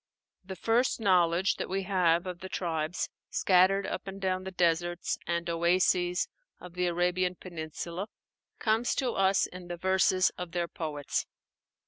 The first knowledge that we have of the tribes scattered up and down the deserts and oases of the Arabian peninsula comes to us in the verses of their poets.